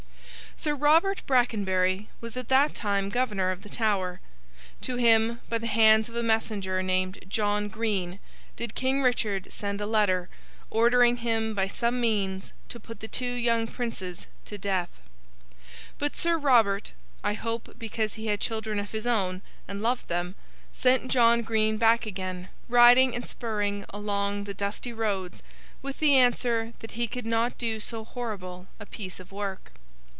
Sir Robert Brackenbury was at that time Governor of the Tower. To him, by the hands of a messenger named John Green, did King Richard send a letter, ordering him by some means to put the two young princes to death. But Sir Robert—I hope because he had children of his own, and loved them—sent John Green back again, riding and spurring along the dusty roads, with the answer that he could not do so horrible a piece of work.